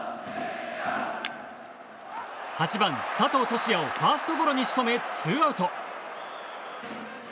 ８番、佐藤都志也をファーストゴロに仕留めツーアウト。